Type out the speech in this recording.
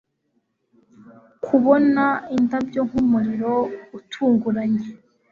Kubona indabyo nkumuriro utunguranye,